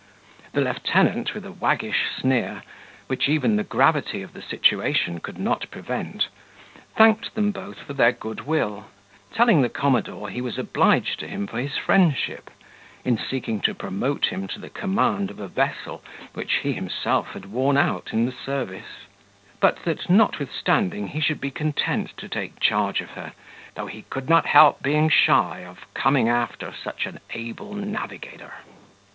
The lieutenant, with a waggish sneer, which even the gravity of the situation could not prevent, thanked them both for their good will, telling the commodore, he was obliged to him for his friendship, in seeking to promote him to the command of a vessel which he himself had worn out in the service; but that, notwithstanding, he should be content to take charge of her, though he could not help being shy of coming after such an able navigator.